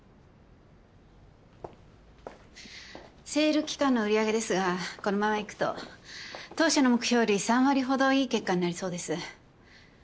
セール期間の売り上げですがこのままいくと当初の目標より３割ほどいい結果になりそうです。